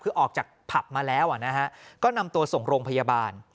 คือออกจากผับมาแล้วก็นำตัวส่งโรงพยาบาล